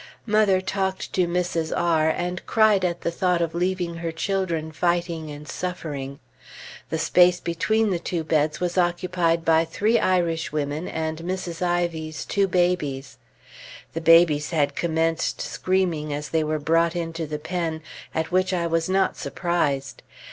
Mother talked to Mrs. R and cried at the thought of leaving her children fighting and suffering. The space between the two beds was occupied by three Irishwomen and Mrs. Ivy's two babies. The babies had commenced screaming as they were brought into the pen, at which I was not surprised.